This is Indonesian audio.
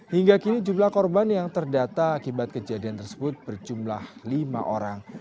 hingga kini jumlah korban yang terdata akibat kejadian tersebut berjumlah lima orang